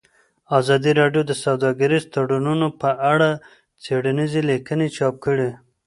ازادي راډیو د سوداګریز تړونونه په اړه څېړنیزې لیکنې چاپ کړي.